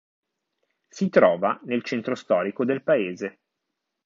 Si trova nel centro storico del paese.